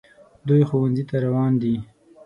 دوی ښوونځي ته روان دي